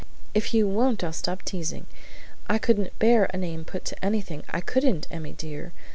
"If you won't I'll stop teasing. I couldn't bear a name put to anything, I couldn't, Emmy dear!